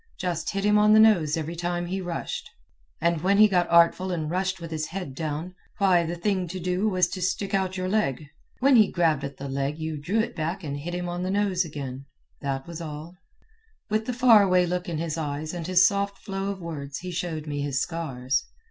Just hit him on the nose every time he rushed, and when he got artful and rushed with his head down, why, the thing to do was to stick out your leg. When he grabbed at the leg you drew it back and hit hint on the nose again. That was all. With the far away look in his eyes and his soft flow of words he showed me his scars.